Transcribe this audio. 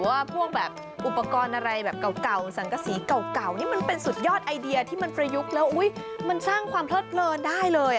วันประยุกต์แล้วมันช่างความทอดเติร์นได้เลย